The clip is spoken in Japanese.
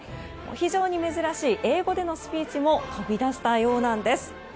非常に珍しい英語でのスピーチも飛び出したようなんです。